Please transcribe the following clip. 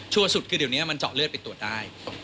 ชั่วสุดคือเดี๋ยวนี้มันเจาะเลือดปิดตัวได้